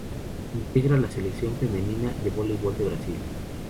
Integra la Selección femenina de voleibol de Brasil.